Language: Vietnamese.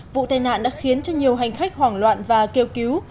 vụ tai nạn đã khiến cho nhiều hành khách hoảng loạn và kêu cứu